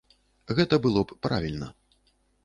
Гэта было б правільна.